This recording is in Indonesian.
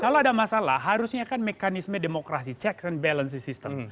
kalau ada masalah harusnya kan mekanisme demokrasi checks and balance system